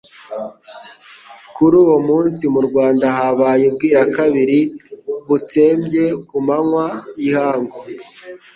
Kuri uwo munsi, mu Rwanda habaye "Ubwira-kabiri" butsembye ku manywa y'ihangu.